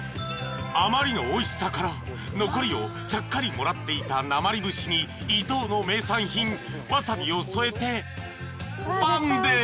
［あまりのおいしさから残りをちゃっかりもらっていたなまりぶしに伊東の名産品わさびを添えてパンで］